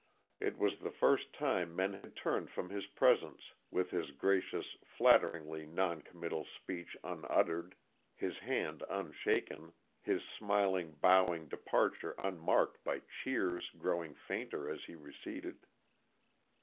It was the first time men had turned from his presence with his gracious, flatteringly noncommittal speech unuttered, his hand unshaken, his smiling, bowing departure unmarked by cheers growing fainter as he receded.